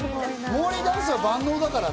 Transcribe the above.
モーリーダンスは万能だから